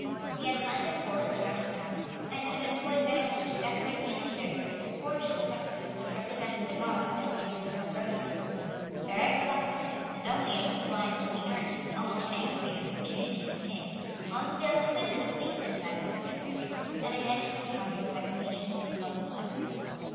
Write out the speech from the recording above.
He had planted forests round his house, and had employed Verrio to decorate the interior with gorgeous frescoes which represented the gods at their banquet of ambrosia. Very reluctantly, and only in compliance with the earnest and almost angry importunity of the King, Lonsdale consented to leave his magnificent retreat, and again to encounter the vexations of public life.